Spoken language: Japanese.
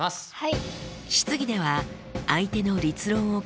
はい。